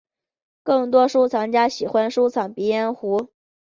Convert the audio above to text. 更多收藏家喜欢收藏鼻烟壶。